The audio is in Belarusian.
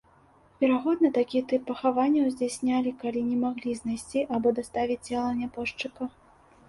Верагодна, такі тып пахаванняў здзяйснялі калі не маглі знайсці або даставіць цела нябожчыка.